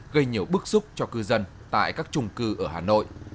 gây nhiều bức xúc cho cư dân tại các trung cư ở hà nội